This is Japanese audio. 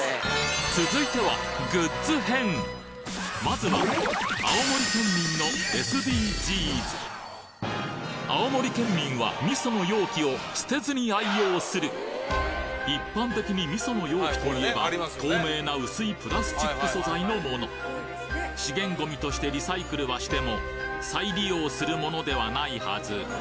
続いてはまずは青森県民のＳＤＧｓ一般的に味噌の容器といえば透明な薄いプラスチック素材の物資源ごみとしてリサイクルはしても再利用するものではないはず